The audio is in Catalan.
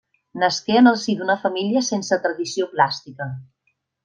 Nasqué en el si d'una família sense tradició plàstica.